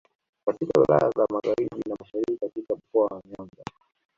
katika wilaya za magharibi na mashariki mwa Mkoa wa Nyanza